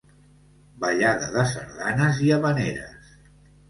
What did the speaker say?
Ballada de sardanes i havaneres.